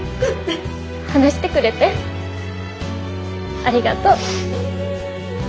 話してくれてありがとう。